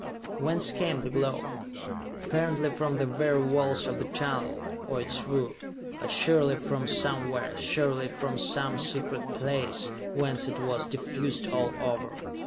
Whence came the glow? Apparently from the very walls of the tunnel, or its roof; but surely from somewhere, surely from some secret place, whence it was diffused all over.